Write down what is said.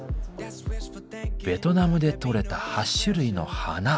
ベトナムで採れた８種類の花。